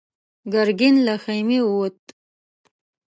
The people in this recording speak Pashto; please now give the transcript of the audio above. ګرګين له خيمې ووت.